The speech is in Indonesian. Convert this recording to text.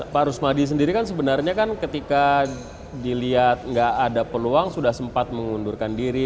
pak rusmadi sendiri kan sebenarnya kan ketika dilihat nggak ada peluang sudah sempat mengundurkan diri